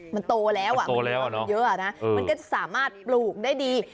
มันโตแล้วมันเยอะนะมันก็จะสามารถปลูกได้ดี